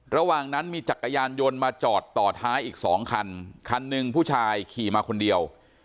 ระหว่างนั้นมีจักรยานยนต์มาจอดต่อท้ายอีกสองคันคันหนึ่งผู้ชายขี่มาคนเดียว